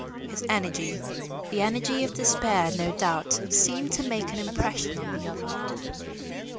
His energy the energy of despair, no doubt seemed to make an impression on the other.